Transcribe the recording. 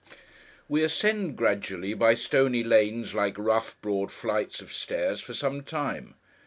We ascend, gradually, by stony lanes like rough broad flights of stairs, for some time.